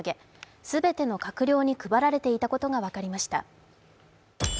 全ての閣僚に配られていたことが分かりました。